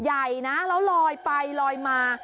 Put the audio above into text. ใหญ่นะแล้วลอยไปลอยมา